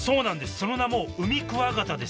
その名もウミクワガタです